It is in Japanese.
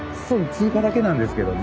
通過だけなんですけどね。